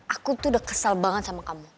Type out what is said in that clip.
aku tuh udah kesal banget sama kamu